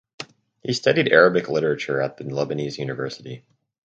He studied Arabic literature at the Lebanese University.